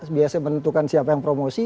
biasa menentukan siapa yang promosi